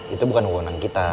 itu bukan kewenangan kita